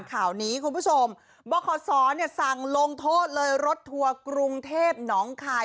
ข่าวนี้คุณผู้ชมบขศสั่งลงโทษเลยรถทัวร์กรุงเทพหนองคาย